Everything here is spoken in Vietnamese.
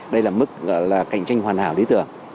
đây là mức gọi là cạnh tranh hoàn hảo lý tưởng